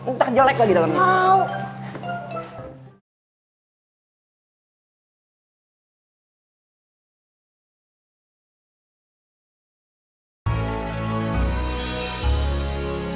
ntar jelek lagi dalamnya